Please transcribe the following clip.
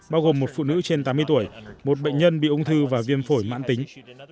bao gồm một phụ nữ trên tám mươi tuổi một bệnh nhân bị ung thư và viêm phổi mãn tính